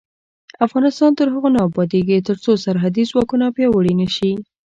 افغانستان تر هغو نه ابادیږي، ترڅو سرحدي ځواکونه پیاوړي نشي.